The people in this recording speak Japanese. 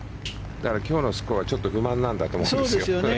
今日のスコアはちょっと不満なんだと思うんです。